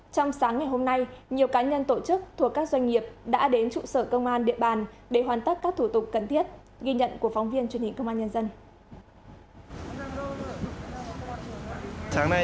trong sáng ngày hôm nay nhiều cá nhân tổ chức thuộc các doanh nghiệp đã đến trụ sở công an địa bàn để hoàn tất các thủ tục cần thiết ghi nhận của phóng viên truyền hình công an nhân dân